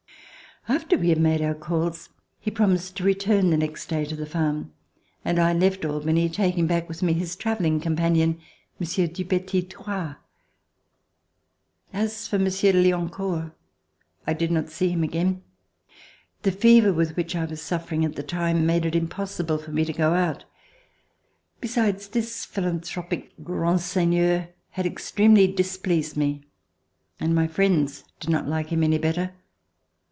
After we had made our calls, he promised to return the next day to the farm, and I left Albany, taking back with me his travelling companion. Monsieur Dupetit Thouars. As for Monsieur de Liancourt, I did not see him again. The fever with which I was suffering at the time made it impossible for me to go out. Besides, this philanthropic grand seig7ieur had [ 220 ] COUNTRY LIFE extremely displeased me, and my friends did not like him any better.